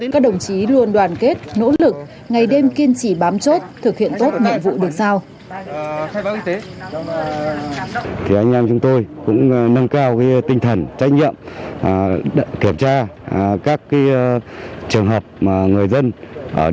các đồng chí luôn đoàn kết nỗ lực ngày đêm kiên trì bám chốt thực hiện tốt nhiệm vụ được giao